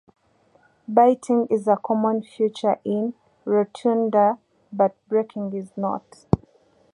Biting is a common feature in "rotunda", but breaking is not.